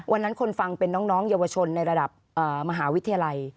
วันนั้นคนฟังเป็นน้องเยาวชนในระดับมหาวิทยาลัย